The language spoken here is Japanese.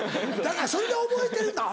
だからそれで覚えてるんだ